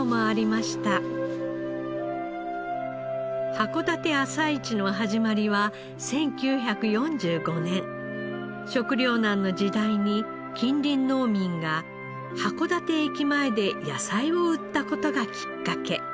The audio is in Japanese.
函館朝市の始まりは１９４５年食糧難の時代に近隣農民が函館駅前で野菜を売った事がきっかけ。